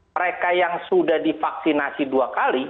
mereka yang sudah divaksinasi dua kali